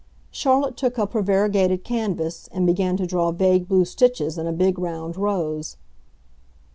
Charlotte took up her variegated canvas, and began to draw vague blue stitches in a big round rose.